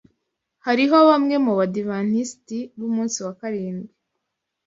Hariho bamwe mu Badiventisti b’Umunsi wa Karindwi